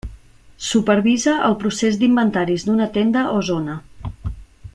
Supervisa el procés d'inventaris d'una tenda o zona.